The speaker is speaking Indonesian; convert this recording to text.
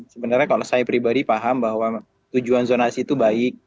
sebenarnya kalau saya pribadi paham bahwa tujuan zonasi itu baik